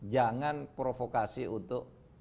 jangan provokasi untuk